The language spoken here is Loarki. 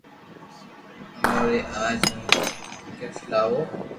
اوري آج ھون گفت لاوُ